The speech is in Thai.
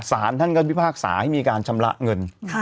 สารท่านก็พิพากษาให้มีการชำระเงิน